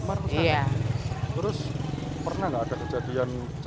terus pernah nggak ada kejadian